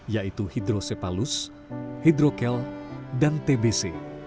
yaitu hidrosepalus hidrokel dan tbc